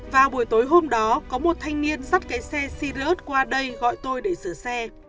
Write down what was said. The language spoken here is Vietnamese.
và buổi tối hôm đó có một thanh niên dắt cái xe sirius qua đây gọi tôi để sửa xe